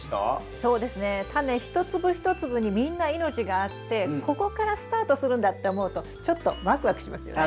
そうですねタネ一粒一粒にみんな命があってここからスタートするんだって思うとちょっとワクワクしますよね。